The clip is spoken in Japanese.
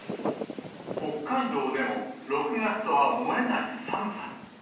北海道でも、６月とは思えない寒さに。